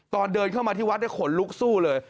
ตอนเดินเข้ามาที่วัดขนลุกสู้เลย